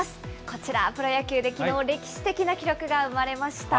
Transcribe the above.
こちら、プロ野球できのう歴史的な記録が生まれました。